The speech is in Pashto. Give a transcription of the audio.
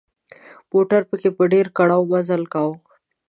موټرو پکې په ډېر کړاو مزل کاوه.